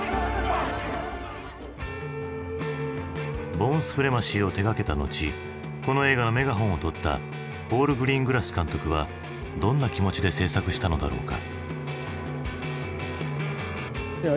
「ボーン・スプレマシー」を手がけた後この映画のメガホンをとったポール・グリーングラス監督はどんな気持ちで製作したのだろうか。